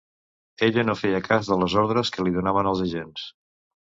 Ell no feia cas de les ordres que li donaven els agents.